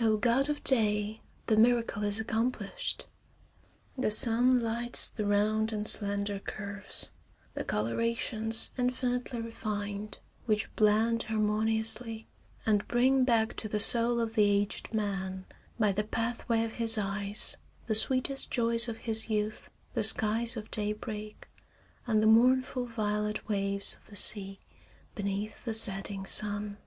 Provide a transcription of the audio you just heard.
Oh, god of day! The miracle is accomplished. The sun lights the round and slender curves, the colorations infinitely refined, which blend harmoniously, and bring back to the soul of the aged man, by the pathway of his eyes, the sweetest joys of his youth, the skies of daybreak and the mournful violet waves of the sea beneath the setting sun.